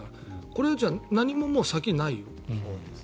これじゃ何ももう、先がないよ。